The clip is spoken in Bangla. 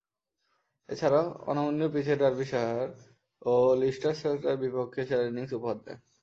এছাড়াও, অনমনীয় পিচে ডার্বিশায়ার ও লিচেস্টারশায়ারের বিপক্ষে সেরা ইনিংস উপহার দেন।